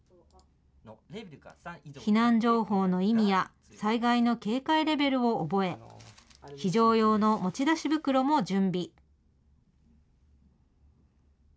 避難情報の意味や、災害の警戒レベルを覚え、非常用の持ち出し袋も準備。